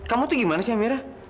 kamu tuh gimana sih mira